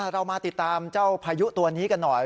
เรามาติดตามเจ้าพายุตัวนี้กันหน่อย